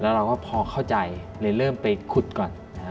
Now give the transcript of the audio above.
แล้วเราก็พอเข้าใจเลยเริ่มไปขุดก่อนนะครับ